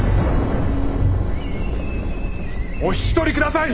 お引き取りください！